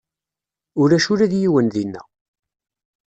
Ulac ula d yiwen dinna.